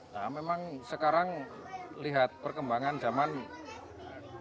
nah memang sekarang lihat perkembangan zaman kaya gitu